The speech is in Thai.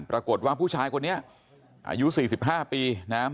ปรากฏว่าผู้ชายคนนี้อายุ๔๕ปีนะครับ